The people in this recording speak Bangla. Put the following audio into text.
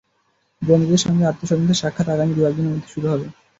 বন্দীদের সঙ্গে আত্মীয়স্বজনদের সাক্ষাৎ আগামী দু-এক দিনের মধ্যে শুরু করা হবে।